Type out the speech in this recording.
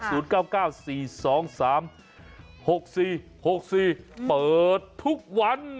เปิดทุกวัน